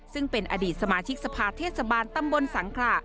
ซึ่งเป็นอดีตสมาชิกสภาเทศบาลตำบลสังขระ